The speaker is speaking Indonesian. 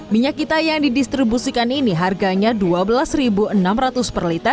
minyak kita yang didistribusikan ini harganya rp dua belas enam ratus